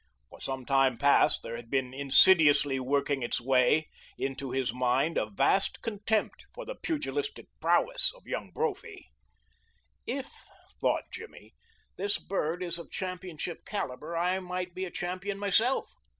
For some time past there had been insidiously working its way into his mind a vast contempt for the pugilistic prowess of Young Brophy. "If," thought Jimmy, "this bird is of championship caliber, I might be a champion myself."